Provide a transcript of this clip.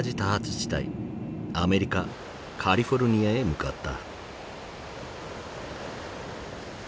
地帯アメリカ・カリフォルニアへ向かった。